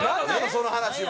その話は。